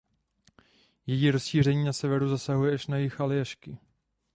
Její rozšíření na severu zasahuje až na jih Aljašky.